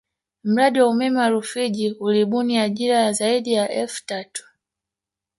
Mradi wa umeme wa Rufiji ulibuni ajira ya zaidi ya elfu tatu